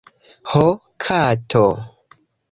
Ho kato!